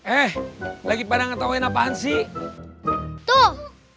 eh lagi pada ngetawain apaan sih tuh